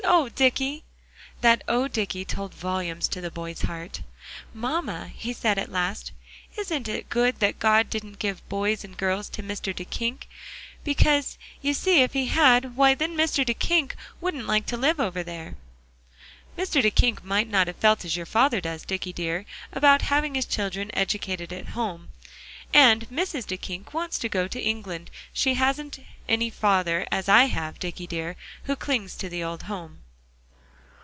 Oh, Dicky!" That "Oh, Dicky!" told volumes to the boy's heart. "Mamma," he said at last, "isn't it good that God didn't give boys and girls to Mr. Duyckink? Because you see if he had, why, then Mr. Duyckink wouldn't like to live over there." "Mr. Duyckink might not have felt as your father does, Dicky dear, about having his children educated at home; and Mrs. Duyckink wants to go to England; she hasn't any father, as I have, Dicky dear, who clings to the old home."